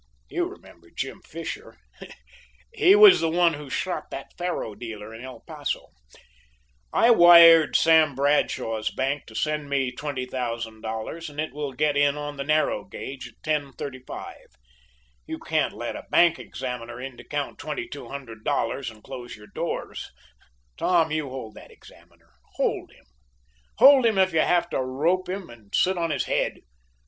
You remember Jim Fisher he was the one who shot that faro dealer in El Paso. I wired Sam Bradshaw's bank to send me $20,000, and it will get in on the narrow gauge at 10.35. You can't let a bank examiner in to count $2,200 and close your doors. Tom, you hold that examiner. Hold him. Hold him if you have to rope him and sit on his head.